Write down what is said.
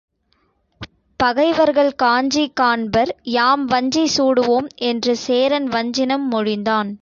பகைவர்கள் காஞ்சி காண்பர் யாம் வஞ்சி சூடுவோம் என்று சேரன் வஞ்சினம் மொழிந்தான்.